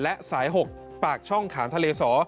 และสาย๖ปากช่องขานทะเลสอ